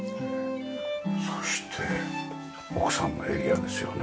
そして奥さんのエリアですよね。